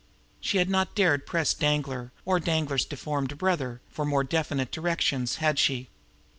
She had not dared press Danglar, or Danglar's deformed brother, for more definite directions, had she?